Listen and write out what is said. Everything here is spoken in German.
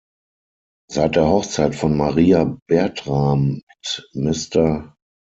Seit der Hochzeit von Maria Bertram mit Mr.